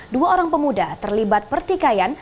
dua orang pemuda terlibat pertikaian